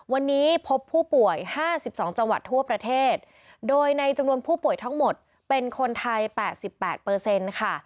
วันนี้พบผู้ป่วย๕๒จังหวัดทั่วประเทศโดยในจำนวนผู้ป่วยทั้งหมดเป็นคนไทย๘๘ค่ะ